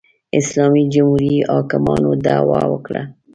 اسلامي جمهوري حاکمانو دعوا وکړه